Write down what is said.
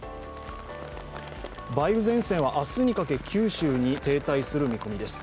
梅雨前線は明日にかけ九州に停滞する見込みです。